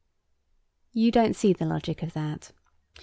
You don't see the logic of that?